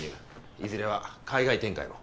いずれは海外展開も。